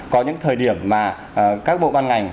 có những thời điểm mà các bộ ban ngành